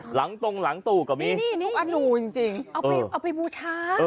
หลังตรงหลังตู้ก็มีเอาไปบูชา